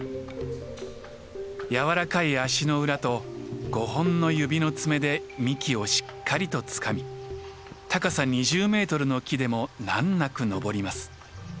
柔らかい足の裏と５本の指の爪で幹をしっかりとつかみ高さ２０メートルの木でも難なく登ります。